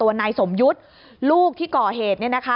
ก็จะนำตัวในสมยุทธ์ลูกที่ก่อเหตุเนี่ยนะคะ